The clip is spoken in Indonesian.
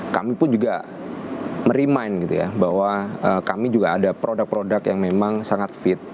kami pun juga merimin gitu ya bahwa kami juga ada produk produk yang memang sangat fit